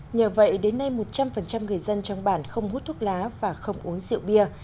nhờ vậy đến nay một trăm linh người dân trong bản không hút thuốc lá và không uống rượu bia